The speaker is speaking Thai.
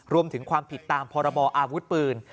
รวมถึงความผิดตามพรบออาวุธปืน